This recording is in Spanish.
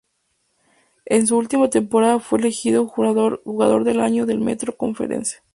En su última temporada fue elegido Jugador del Año de la Metro Conference.